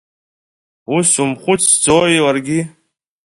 Ус умхәыцӡои уаргьы?